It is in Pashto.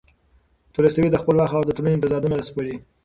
تولستوی د خپل وخت د ټولنې تضادونه سپړي.